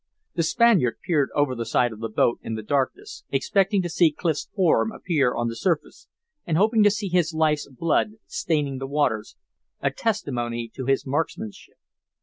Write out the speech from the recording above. The Spaniard peered over the side of the boat in the darkness, expecting to see Clif's form appear on the surface, and hoping to see his life's blood staining the waters, a testimony to his marksmanship.